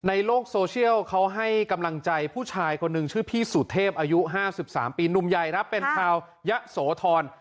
ในโลกโซเชียลเขาให้กำลังใจผู้ชายคนหนึ่งชื่อพี่สุเทพอายุ๕๓ปีหนุ่มใหญ่ครับเป็นชาวยะโสธร